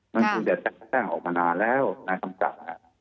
มันสุดยัยแต้งออกมานานแล้วนะคำจับ